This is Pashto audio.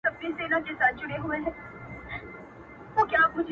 د طاووس تر رنګینیو مي خوښيږي!!